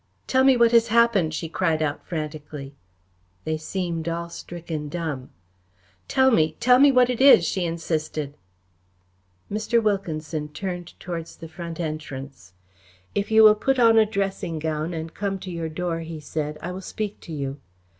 "Tell me what has happened?" she cried out frantically. They seemed all stricken dumb. "Tell me, tell me what it is?" she insisted. Mr. Wilkinson turned towards the front entrance. "If you will put on a dressing gown and come to your door," he said, "I will speak to you."